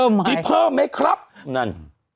มีเพิ่มไหมครับนั่น